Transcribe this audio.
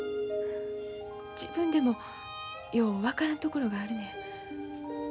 自分でもよう分からんところがあるねん。